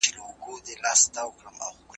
ټکنالوژي د تولید کچه لوړوي.